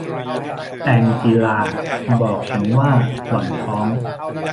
แองจีลาบอกฉันว่าหล่อนท้อง